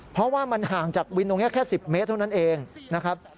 เพราะว่ามันห่างจากวินตรงนี้แค่๑๐เมตรเท่านั้นเองนะครับ